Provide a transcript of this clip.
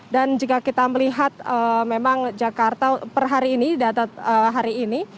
dan jika kita melihat memang jakarta per hari ini